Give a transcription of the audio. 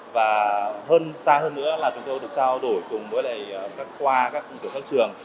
và hơn xa hơn nữa là chúng tôi được trao đổi cùng với các khoa các tổ các trường